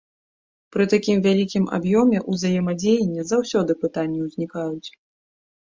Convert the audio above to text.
Пры такім вялікім аб'ёме ўзаемадзеяння заўсёды пытанні ўзнікаюць.